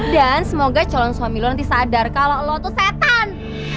dan semoga calon suami lo nanti sadar kalo lo tuh setan